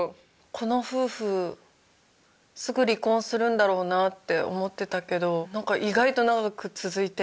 この夫婦すぐ離婚するんだろうなって思ってたけど意外と長く続いてんじゃん！みたいな。